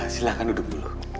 silahkan duduk dulu